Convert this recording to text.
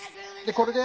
これで。